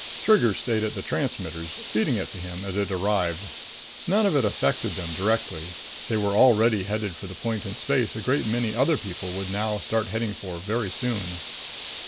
Trigger stayed at the transmitters, feeding it to him as it arrived. None of it affected them directly they were already headed for the point in space a great many other people would now start heading for very soon.